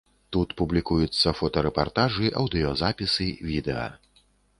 Тут публікуюцца фотарэпартажы, аўдыёзапісы, відэа.